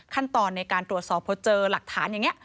ขั้นตอนในการตรวจสอบพอเจอหลักฐานอย่างนี้